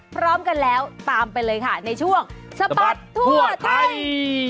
พร้อมกันแล้วตามไปเลยค่ะในช่วงสะบัดทั่วไทย